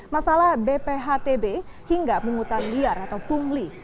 masalah bphtb hingga pungutan liar atau pungli